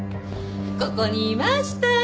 ここにいました。